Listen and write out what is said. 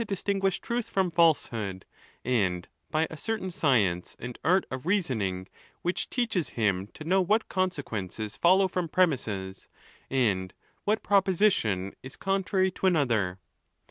426 ON THE LAWS, tinguish truth from falsehood, and by a certain science and art of reasoning which teaches him to know what. conse quences follow from premises, and what proposition is con trary to another.